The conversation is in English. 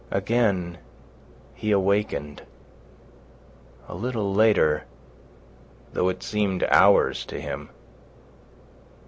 Again he awakened, a little later, though it seemed hours to him.